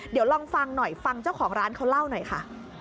เดี๋ยวลองฟังหน่อยฟังเจ้าของร้านเขาเล่าหน่อยค่ะ